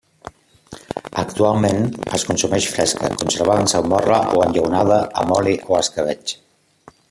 Actualment, es consumeix fresca, conservada en salmorra o enllaunada amb oli o escabetx.